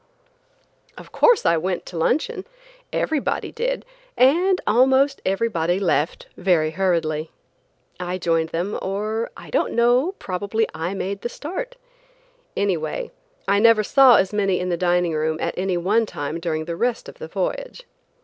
Of course I went to luncheon. Everybody did, and almost everybody left very hurriedly. I joined them, or, I don't know, probably I made the start. Anyway I never saw as many in the dining room at any one time during the rest of the voyage.